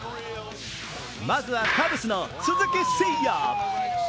まずはカブスの鈴木誠也。